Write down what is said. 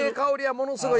ものすごい